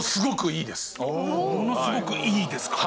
ものすごくいいですか？